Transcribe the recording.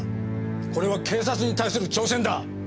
これは警察に対する挑戦だ。